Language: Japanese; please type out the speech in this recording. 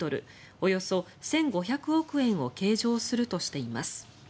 およそ１５００億円を計上するとしています。